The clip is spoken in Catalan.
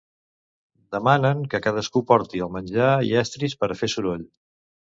Demanen que cadascú porti el menjar i estris per a fer soroll.